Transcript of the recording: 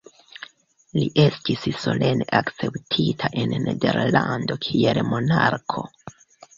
Li estis solene akceptita en Nederlando kiel monarko.